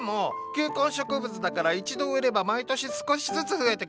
球根植物だから一度植えれば毎年少しずつ増えてくれる。